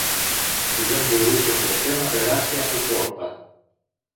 που δεν μπορούσε ποτέ να περάσει από πόρτα